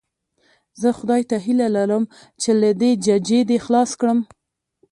زه خدای ته هیله لرم چې له دې ججې دې خلاص کړم.